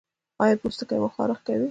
ایا پوستکی مو خارښ کوي؟